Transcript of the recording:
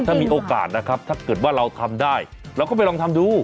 ถ้ามีโอกาสนะครับถ้าเกิดว่าเราทำได้เราก็ไปลองทำดู